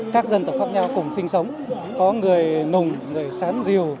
các dân tộc khác nhau cùng sinh sống có người nùng người sán diều